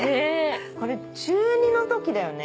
これ中２の時だよね？